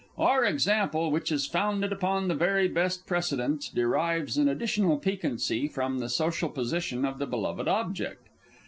Our example, which is founded upon the very best precedents, derives an additional piquancy from the social position of the beloved object.